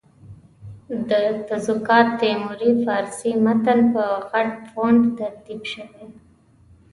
د تزوکات تیموري فارسي متن په غټ فونټ ترتیب شوی.